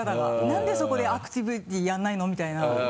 なんでそこでアクティビティーやらないの？みたいな。